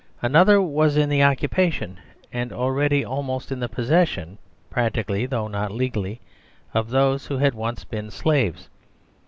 Another was in the occupation, and already almost in the possession (practically, thoughnotlegally),of those whohad once been Slaves.